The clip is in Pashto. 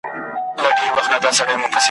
یا ړنده یم زما علاج دي نه دی کړی `